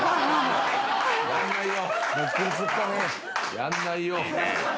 やんないよ。